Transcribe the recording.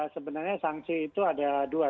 sebenarnya sanksi itu ada dua